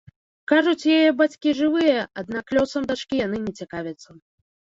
Кажуць, яе бацькі жывыя, аднак лёсам дачкі яны не цікавяцца.